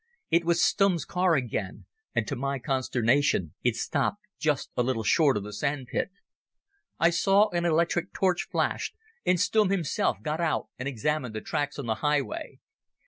It was Stumm's car again and to my consternation it stopped just a little short of the sandpit. I saw an electric torch flashed, and Stumm himself got out and examined the tracks on the highway.